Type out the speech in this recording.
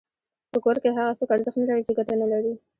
په کور کي هغه څوک ارزښت نلري چي ګټه نلري.